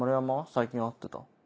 最近会ってた？